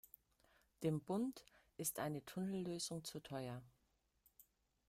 Dem Bund ist eine Tunnellösung zu teuer.